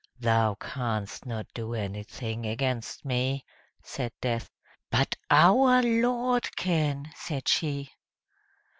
"Thou canst not do anything against me!" said Death. "But OUR LORD can!" said she.